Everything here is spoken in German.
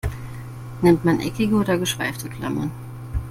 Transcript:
Nimmt man eckige oder geschweifte Klammern?